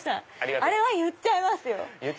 あれは言っちゃいますよ。